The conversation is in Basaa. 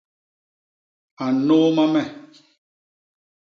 A nnôôma me.